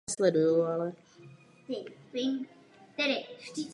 Posádky a letadla Van Air Europe byly přesunuty začátkem března do Brna.